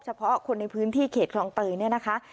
เฉพาะคนในพื้นที่เขตคลองเตยเนี่ยนะคะ